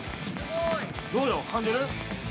どうよ、感じる？